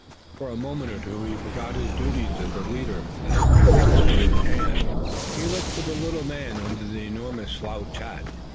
For a moment or two he forgot his duties as a leader as, pistol in hand, he looked for the little man under the enormous slouch hat.